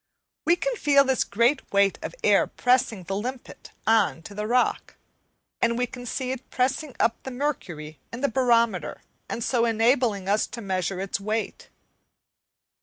We can feel this great weight of air pressing the limpet on to the rock; and we can see it pressing up the mercury in the barometer and so enabling us to measure its weight.